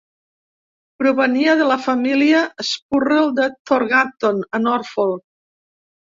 Provenia de la família Spurrell de Thurgarton, a Norfolk.